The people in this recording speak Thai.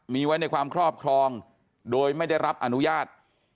มีไว้ในความครอบครองโดยไม่ได้รับอนุญาต